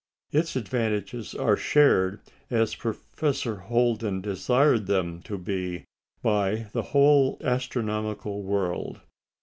Its advantages are shared, as Professor Holden desired them to be, by the whole astronomical world.